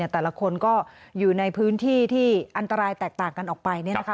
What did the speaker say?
แต่ละคนก็อยู่ในพื้นที่ที่อันตรายแตกต่างกันออกไป